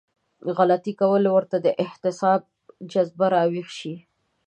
غلطي کول ورته د احتساب جذبه راويښه شي.